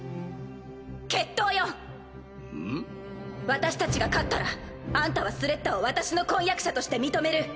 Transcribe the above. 私たちが勝ったらあんたはスレッタを私の婚約者として認める。